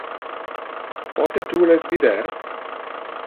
Pote tu les vider?